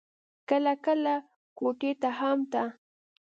کله کله کوټې ته هم ته.